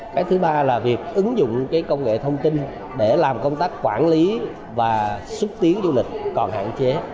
cái thứ ba là việc ứng dụng công nghệ thông tin để làm công tác quản lý và xúc tiến du lịch còn hạn chế